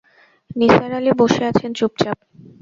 নিসার আলি বসে আছেন চুপচাপ।